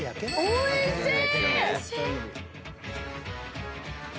おいしい！